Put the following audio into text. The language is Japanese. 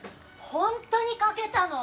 本当に描けたの？